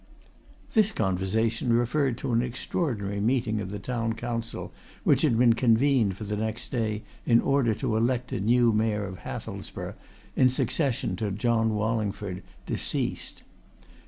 This conversation referred to an extraordinary meeting of the Town Council which had been convened for the next day, in order to elect a new Mayor of Hathelsborough in succession to John Wallingford, deceased.